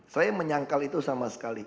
saya menyangkal itu sama sekali